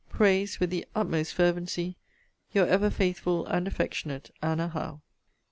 prays, with the utmost fervency, Your ever faithful and affectionate ANNA HOWE.